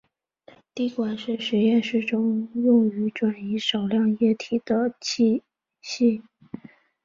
滴管是实验室中用于转移少量液体的器皿。